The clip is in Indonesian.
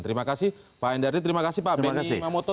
terima kasih pak hendardi terima kasih pak benny mamoto